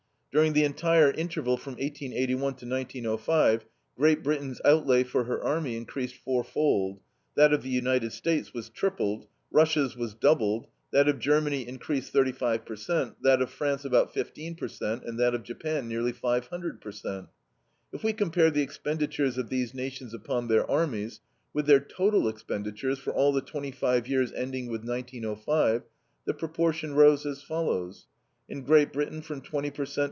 During the entire interval from 1881 to 1905 Great Britain's outlay for her army increased fourfold, that of the United States was tripled, Russia's was doubled, that of Germany increased 35 per cent., that of France about 15 per cent., and that of Japan nearly 500 per cent. If we compare the expenditures of these nations upon their armies with their total expenditures for all the twenty five years ending with 1905, the proportion rose as follows: In Great Britain from 20 per cent.